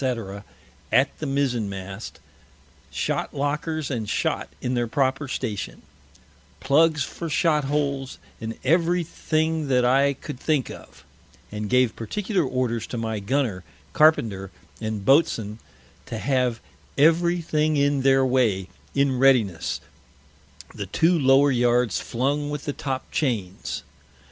_ at the Mizen mast, Shot lockers and Shot in their proper Station; Pluggs for Shot holes; and every thing that I could think of: and gave particular Orders to my Gunner, Carpenter, and Boatswain, to have every thing in their way, in Readiness, the two lower Yards flung with the Top chains.